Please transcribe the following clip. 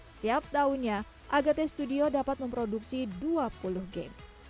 setiap tahunnya agate studio dapat memproduksi dua puluh game